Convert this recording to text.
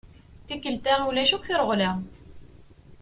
Tikkelt-a ulac akk tireɣla.